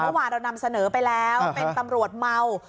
เมื่อวานเรานำเสนอไปแล้วเป็นตำรวจเมา